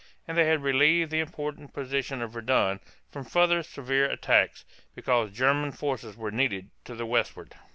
And they had relieved the important position of Verdun from further severe attacks, because German forces were needed to the westward.